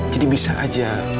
jadi bisa aja